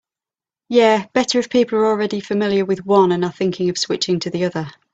Yeah, better if people are already familiar with one and are thinking of switching to the other.